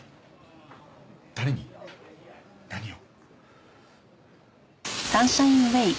誰に何を？